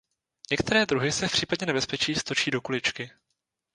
Některé druhy se v případě nebezpečí stočí do kuličky.